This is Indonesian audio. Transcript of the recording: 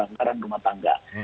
anggaran rumah tangga